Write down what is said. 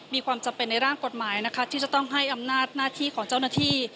มีความจำเป็นในร่างกฎหมายนะคะที่จะต้องให้อำนาจหน้าที่ของเจ้าหน้าที่